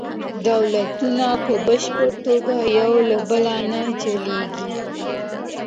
دولتونه په بشپړه توګه یو له بل نه جلیږي